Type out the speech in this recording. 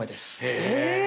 へえ！